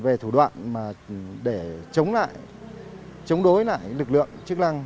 về thủ đoạn để chống lại chống đối lại lực lượng chức năng